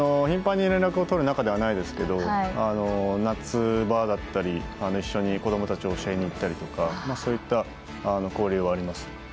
頻繁に連絡を取る仲ではないですけど夏場だったり一緒に子どもたちを教えに行ったりとかそういう交流あります。